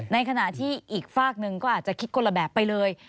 ในขณะที่อีกฝากหนึ่งก็อาจจะคิดคนละแบบไปเลย